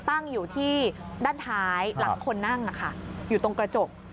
ตั้งอยู่ที่ด้านท้ายหลังคนนั่งอยู่ตรงกระจก